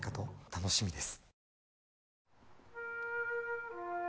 楽しみです。